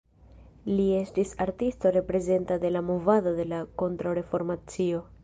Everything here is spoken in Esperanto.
Li estis artisto reprezenta de la movado de la Kontraŭreformacio.